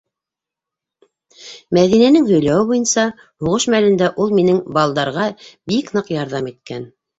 Мәҙинәнең һөйләүе буйынса, һуғыш мәлендә ул минең балдарға бик ныҡ ярҙам иткән.